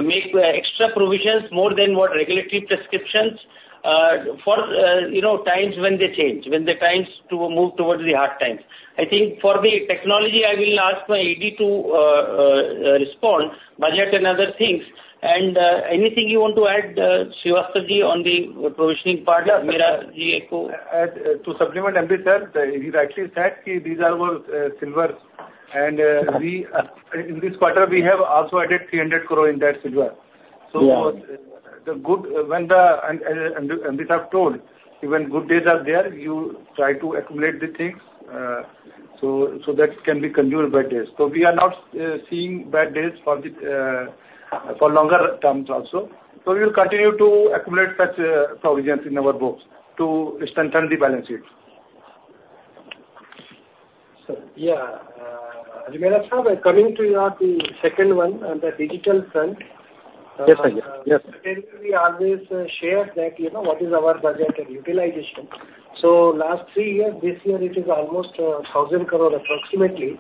Speaker 2: make extra provisions more than what regulatory prescriptions for you know times when they change, when the times to move towards the hard times. I think for the technology, I will ask my ED to respond, budget and other things. Anything you want to add, Srivastava Ji, on the provisioning part?
Speaker 4: To supplement MD sir, he's actually said, these are our silvers. We, in this quarter, we have also added 300 crore in that silver.
Speaker 2: Yeah.
Speaker 4: When the MD sir have told, when good days are there, you try to accumulate the things, so that can be consumed by days. So we are not seeing bad days for the longer terms also. So we will continue to accumulate such provisions in our books to strengthen the balance sheet.
Speaker 8: Sir, yeah. Ajmera sir, coming to your, the second one on the digital front.
Speaker 11: Yes, sir. Yes.
Speaker 8: We always share that, you know, what is our budget and utilization. So last three years, this year it is almost 1,000 crore approximately,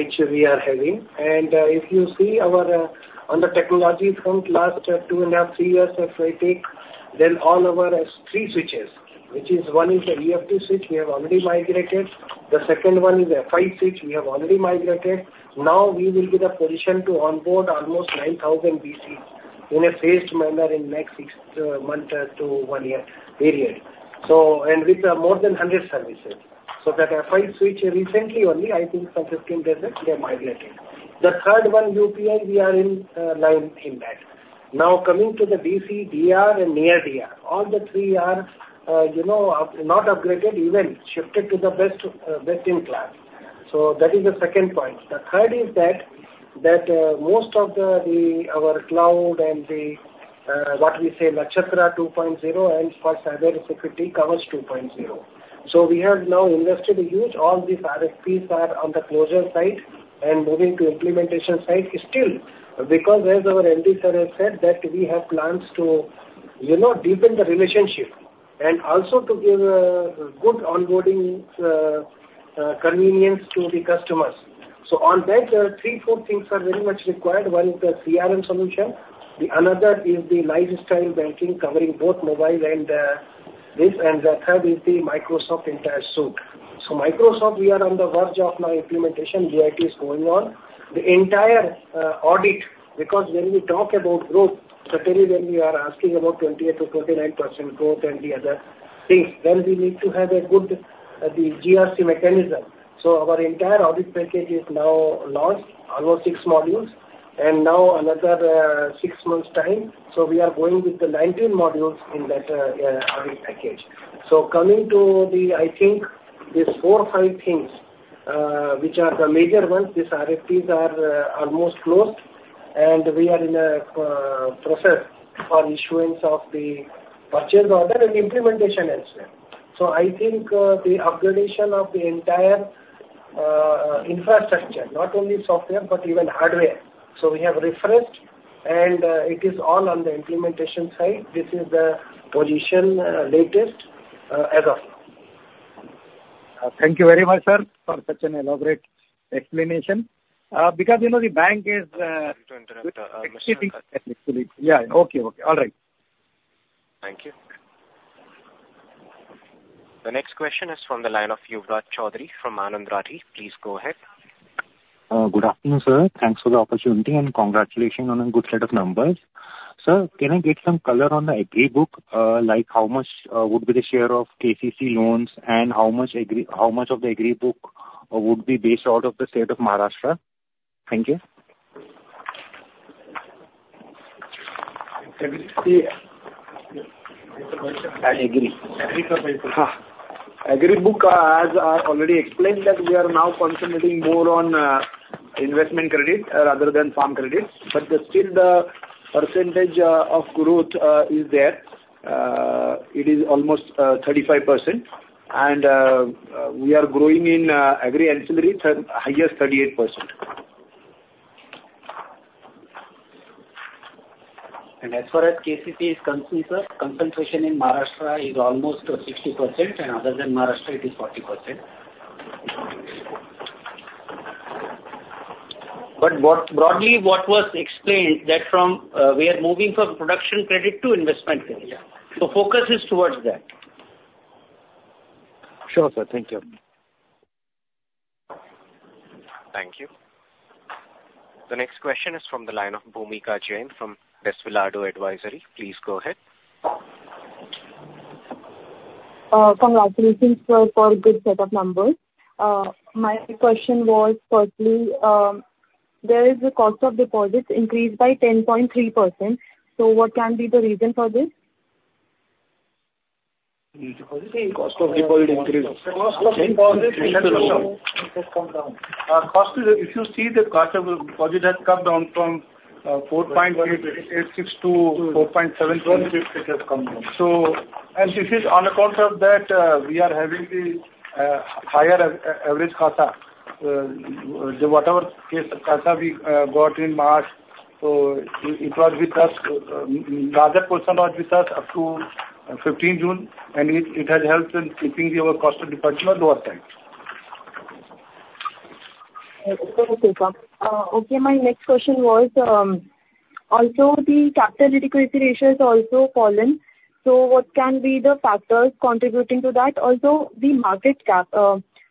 Speaker 8: which we are having. And, if you see our, on the technology front, last 2.5-3 years as I take, then all our three switches, which is one is a EF2 switch, we have already migrated. The second one is a Fi switch, we have already migrated. Now we will be in a position to onboard almost 9,000 bcs in a phased manner in next six months to one year period. So, and with more than 100 services. So that Fi switch recently only, I think some 15 days back, we have migrated. The third one, UPL, we are in line in that. Now, coming to the DC, DR and near DR, all the three are, you know, not upgraded, even shifted to the best, best in class. So that is the second point. The third is that most of the our cloud and the what we say Nakshatra 2.0 and for cyber security covers 2.0. So we have now invested huge. All these RFPs are on the closure side and moving to implementation side. Still, because as our MD sir has said, that we have plans to, you know, deepen the relationship and also to give good onboarding, convenience to the customers. So on that, three, four things are very much required. One is the CRM solution. The another is the lifestyle banking, covering both mobile and this, and the third is the Microsoft entire suite. So Microsoft, we are on the verge of now implementation, GIP is going on. The entire audit, because when we talk about growth, certainly when we are asking about 28%-29% growth and the other things, then we need to have a good GRC mechanism. So our entire audit package is now launched, almost six modules, and now another six months' time. So we are going with the 19 modules in that audit package. So coming to the... I think these 4-5 things-... which are the major ones. These RFPs are almost closed, and we are in a process for issuance of the purchase order and implementation as well. So I think the upgradation of the entire infrastructure, not only software, but even hardware. So we have refreshed, and it is all on the implementation side. This is the position latest as of now.
Speaker 11: Thank you very much, sir, for such an elaborate explanation. Because, you know, the bank is,
Speaker 1: Sorry to interrupt.
Speaker 11: Actually, yeah. Okay, okay. All right.
Speaker 1: Thank you. The next question is from the line of Yuvraj Choudhary from Anand Rathi. Please go ahead.
Speaker 12: Good afternoon, sir. Thanks for the opportunity, and congratulations on a good set of numbers. Sir, can I get some color on the Agri book? Like, how much would be the share of KCC loans, and how much of the Agri book would be based out of the state of Maharashtra? Thank you.
Speaker 2: Agri, see-
Speaker 8: Agri.
Speaker 10: Agri book, as I already explained, that we are now concentrating more on investment credit rather than farm credit. But still the percentage of growth is there. It is almost 35%. And we are growing in Agri ancillaries, third highest, 38%.
Speaker 8: As far as KCC is concerned, sir, concentration in Maharashtra is almost 60%, and other than Maharashtra, it is 40%. What, broadly, what was explained, that from, we are moving from production credit to investment credit.
Speaker 12: Yeah.
Speaker 8: Focus is towards that.
Speaker 12: Sure, sir. Thank you.
Speaker 1: Thank you. The next question is from the line of Bhumika Jain from Desvelado Advisory. Please go ahead.
Speaker 13: Congratulations, sir, for a good set of numbers. My question was firstly, there is a cost of deposits increased by 10.3%, so what can be the reason for this?
Speaker 14: Cost of deposit increase. Cost of deposit has come down.
Speaker 4: Cost is, if you see, the cost of deposit has come down from 4.86-4.72. It has come down. This is on account of that, we are having the higher average CASA. Whatever CASA we got in March, it was with us, larger portion was with us up to 15 June, and it has helped in keeping our cost of deposit on lower side.
Speaker 13: Okay, sir. Okay, my next question was, also the capital adequacy ratio has also fallen, so what can be the factors contributing to that? Also, the market cap,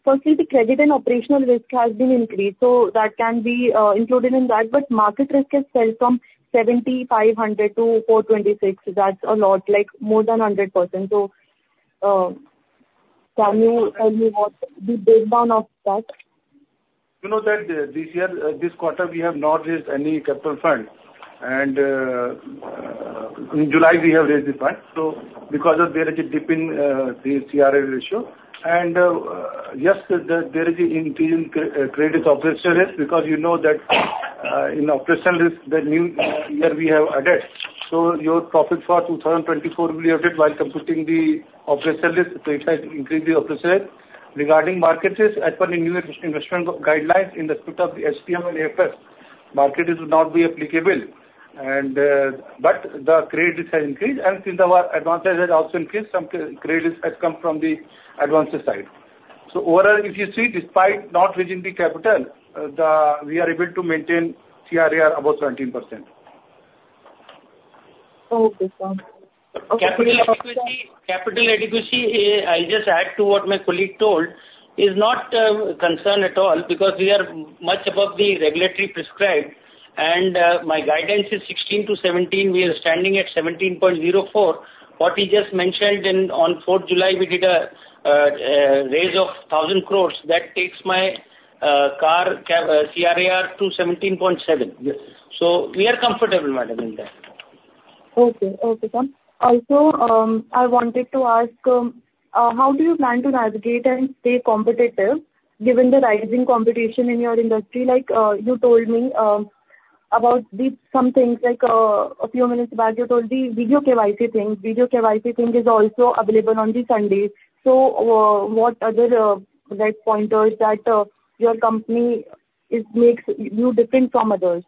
Speaker 13: firstly, the credit and operational risk has been increased, so that can be included in that, but market risk has fell from 7,500-426. That's a lot, like, more than 100%. So, can you tell me what the breakdown of that?
Speaker 4: You know that this year, this quarter, we have not raised any capital fund, and in July, we have raised the fund. So because of there is a dip in the CRA ratio. And yes, there is an increase in credit operational risk, because you know that in operational risk, the new year we have added. So your profit for 2024 will be added while computing the operational risk, so it has increased the operational risk. Regarding market risk, as per the new investment guidelines in the script of the HTM and AFS, market risk would not be applicable and... But the credit risk has increased, and since our advances has also increased, some credit risk has come from the advances side. So overall, if you see, despite not raising the capital, we are able to maintain CRAR above 17%.
Speaker 13: Okay, sir.
Speaker 2: Capital adequacy, capital adequacy. I'll just add to what my colleague told is not concern at all, because we are much above the regulatory prescribed, and my guidance is 16-17. We are standing at 17.04. What he just mentioned in on 4th July, we did a raise of 1,000 crore. That takes my CAR, CRAR to 17.7.
Speaker 4: Yes.
Speaker 2: So we are comfortable, madam, in that.
Speaker 13: Okay. Okay, sir. Also, I wanted to ask, how do you plan to navigate and stay competitive given the rising competition in your industry? Like, you told me, about some things like, a few minutes back, you told the video KYC thing. Video KYC thing is also available on Sundays. So, what other, like, pointers that, your company is makes you different from others?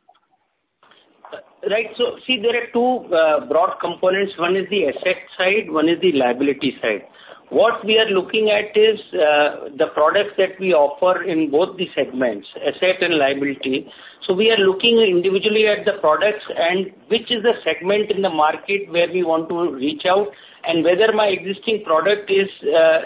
Speaker 2: Right. So see, there are two broad components. One is the asset side, one is the liability side. What we are looking at is the products that we offer in both the segments, asset and liability. So we are looking individually at the products and which is the segment in the market where we want to reach out, and whether my existing product is,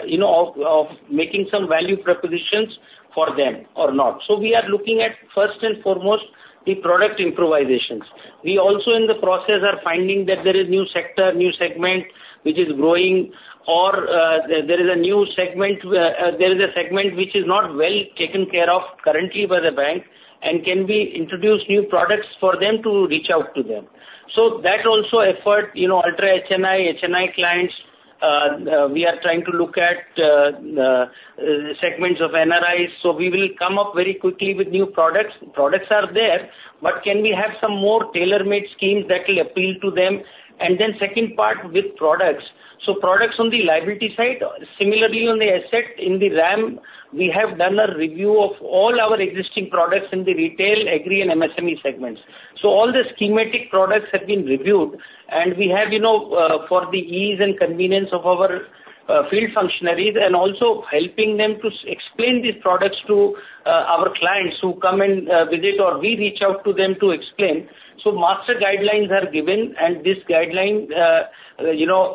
Speaker 2: you know, of making some value propositions for them or not. So we are looking at, first and foremost, the product improvisations. We also in the process are finding that there is new sector, new segment, which is growing, or there is a new segment which is not well taken care of currently by the bank, and can we introduce new products for them to reach out to them? So that also effort, you know, Ultra HNI, HNI clients. We are trying to look at segments of NRIs. So we will come up very quickly with new products. Products are there, but can we have some more tailor-made schemes that will appeal to them? And then second part with products, so products on the liability side, similarly on the asset in the RAM, we have done a review of all our existing products in the retail, agri, and MSME segments. So all the schematic products have been reviewed, and we have, you know, for the ease and convenience of our field functionaries, and also helping them to explain these products to our clients who come and visit, or we reach out to them to explain. So master guidelines are given, and this guideline, you know,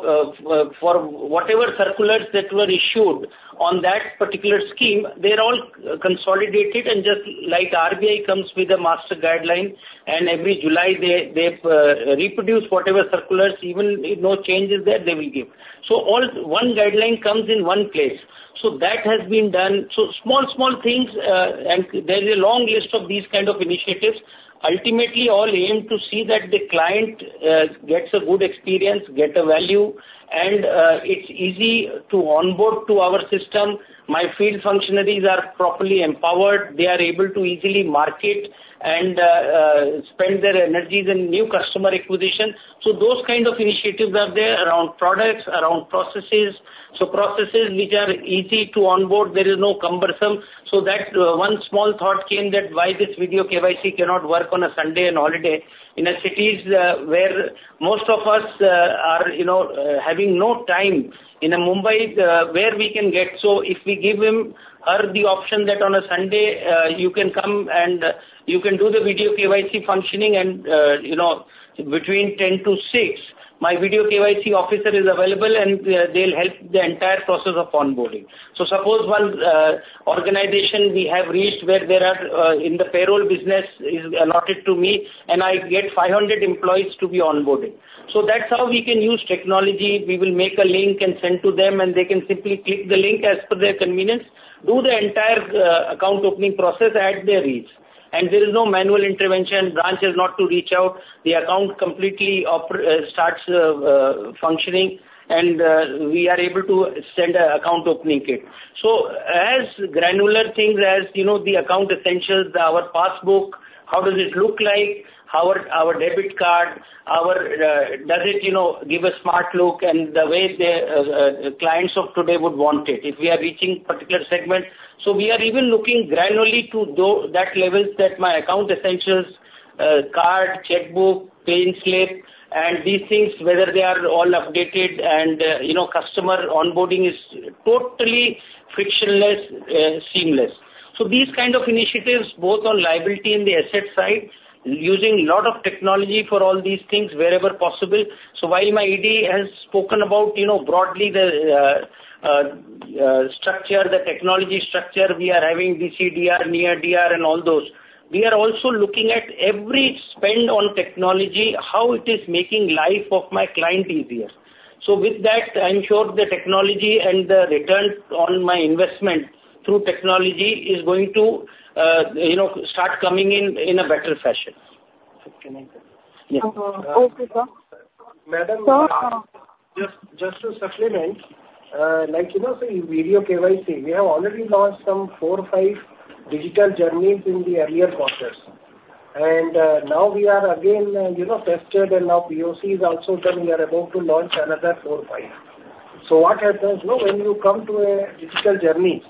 Speaker 2: for whatever circulars that were issued on that particular scheme, they're all consolidated and just like RBI comes with a master guideline, and every July they reproduce whatever circulars, even if no change is there, they will give. So all one guideline comes in one place. So that has been done. So small, small things, and there is a long list of these kind of initiatives. Ultimately, all aim to see that the client gets a good experience, get a value, and it's easy to onboard to our system. My field functionaries are properly empowered. They are able to easily market and spend their energies in new customer acquisition. So those kind of initiatives are there around products, around processes. So, processes which are easy to onboard, there is no cumbersome. So that, one small thought came that why this video KYC cannot work on a Sunday and holiday. In cities, where most of us are, you know, having no time, in Mumbai, where we can get, so if we give them the option that on a Sunday, you can come and you can do the video KYC functioning and, you know, between 10-6, my video KYC officer is available, and they'll help the entire process of onboarding. So suppose one organization we have reached where there are in the payroll business is allotted to me, and I get 500 employees to be onboarded. So that's how we can use technology. We will make a link and send to them, and they can simply click the link as per their convenience, do the entire account opening process at their ease. There is no manual intervention. Branch is not to reach out. The account completely starts functioning, and we are able to send a account opening kit. So as granular things as, you know, the account essentials, our passbook, how does it look like? Our debit card, does it, you know, give a smart look and the way the clients of today would want it, if we are reaching particular segment. So we are even looking granularly to that levels that my account essentials, card, checkbook, payslip, and these things, whether they are all updated and, you know, customer onboarding is totally frictionless, seamless. So these kind of initiatives, both on liability and the asset side, using lot of technology for all these things wherever possible. So while my ED has spoken about, you know, broadly the structure, the technology structure, we are having DC-DR, Near DR and all those. We are also looking at every spend on technology, how it is making life of my client easier. So with that, I am sure the technology and the returns on my investment through technology is going to, you know, start coming in, in a better fashion.
Speaker 13: Okay, sir.
Speaker 8: Madam?
Speaker 13: Sir, uh-
Speaker 8: Just, just to supplement, like, you know, say video KYC, we have already launched some 4 or 5 digital journeys in the earlier quarters. Now we are again, you know, tested and now POC is also done. We are about to launch another 4 or 5. So what happens, you know, when you come to a digital journey,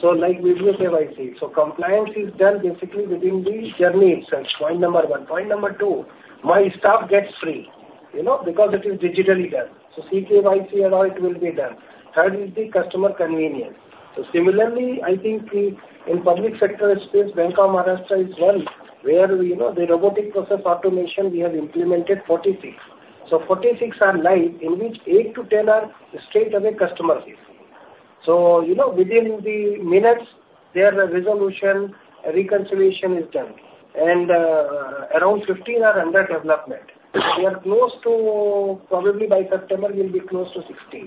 Speaker 8: so like video KYC, so compliance is done basically within the journey itself, point number one. Point number one, my staff gets free, you know, because it is digitally done. So e-KYC and all, it will be done. Third is the customer convenience. So similarly, I think the in public sector space, Bank of Maharashtra is one, where, you know, the robotic process automation, we have implemented 46. So 46 are live, in which 8-10 are straightaway customer facing. So, you know, within the minutes, their resolution, reconciliation is done. Around 15 are under development. We are close to, probably by September, we'll be close to 60.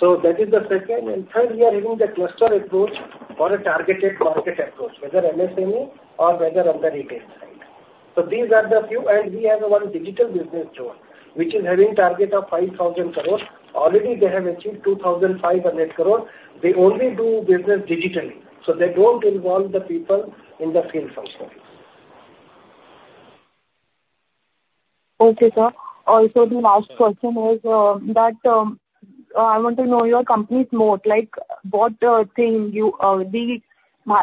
Speaker 8: So that is the second, and third, we are having the cluster approach or a targeted market approach, whether MSME or whether on the retail side. So these are the few, and we have one digital business zone, which is having target of 5,000 crore. Already, they have achieved 2,500 crore. They only do business digitally, so they don't involve the people in the field functionary.
Speaker 13: Okay, sir. Also, the last question is, I want to know your company's mode, like, what thing the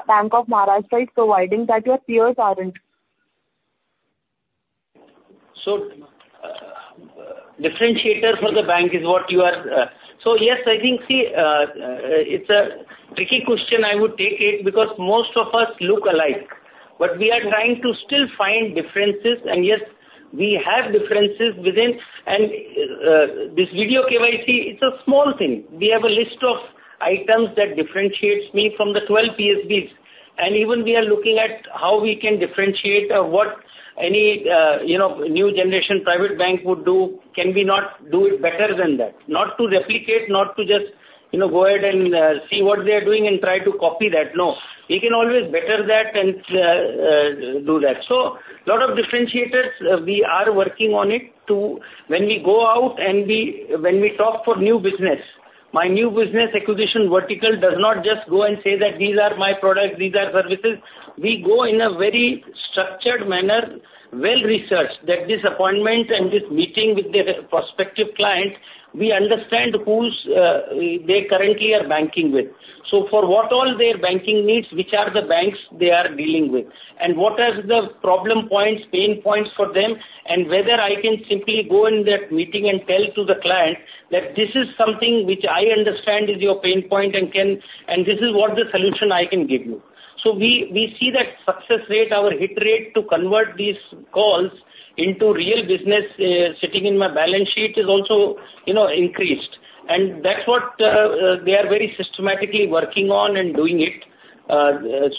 Speaker 13: Bank of Maharashtra is providing that your peers aren't?
Speaker 2: So, differentiator for the bank is what you are. So yes, I think, see, it's a tricky question, I would take it, because most of us look alike, but we are trying to still find differences. And yes, we have differences within. And, this video KYC, it's a small thing. We have a list of items that differentiates me from the 12 PSBs. And even we are looking at how we can differentiate or what any, you know, new generation private bank would do, can we not do it better than that? Not to replicate, not to you know, go ahead and, see what they are doing and try to copy that. No, we can always better that and do that. So lot of differentiators, we are working on it to when we go out and when we talk for new business, my new business acquisition vertical does not just go and say that these are my products, these are services. We go in a very structured manner, well-researched, that this appointment and this meeting with the prospective client, we understand who they currently are banking with. So for what all their banking needs, which are the banks they are dealing with? And what are the problem points, pain points for them, and whether I can simply go in that meeting and tell to the client that this is something which I understand is your pain point and can and this is what the solution I can give you. So we see that success rate, our hit rate, to convert these calls into real business sitting in my balance sheet is also, you know, increased. And that's what they are very systematically working on and doing it.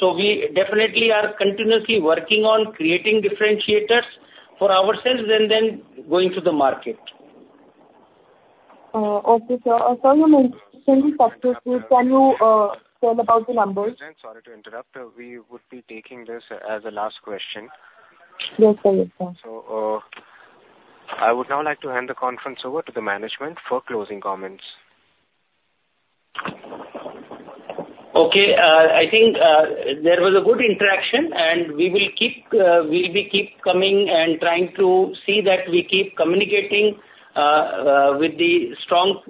Speaker 2: So we definitely are continuously working on creating differentiators for ourselves and then going to the market.
Speaker 13: Okay, sir. Sir, one more
Speaker 1: Sorry to interrupt. We would be taking this as the last question.
Speaker 13: Yes, sir. Yes, sir.
Speaker 1: So, I would now like to hand the conference over to the management for closing comments.
Speaker 2: Okay. I think there was a good interaction, and we will keep, we will keep coming and trying to see that we keep communicating with the strong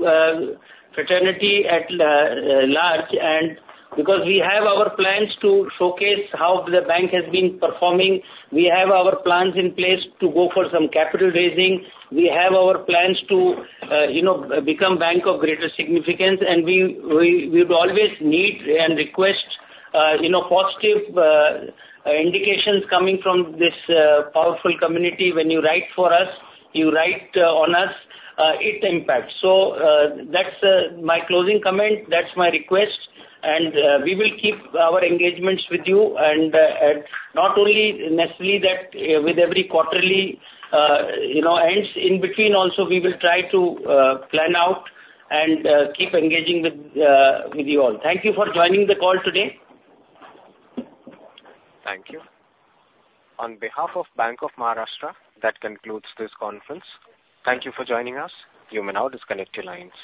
Speaker 2: fraternity at large. And because we have our plans to showcase how the bank has been performing, we have our plans in place to go for some capital raising. We have our plans to, you know, become bank of greater significance, and we, we, we would always need and request, you know, positive indications coming from this powerful community. When you write for us, you write on us, it impacts. So, that's my closing comment, that's my request, and we will keep our engagements with you, and not only necessarily that, with every quarterly, you know, ends. In between also, we will try to plan out and keep engaging with you all. Thank you for joining the call today.
Speaker 1: Thank you. On behalf of Bank of Maharashtra, that concludes this conference. Thank you for joining us. You may now disconnect your lines.